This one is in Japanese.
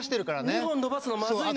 ２本伸ばすのまずいのよ。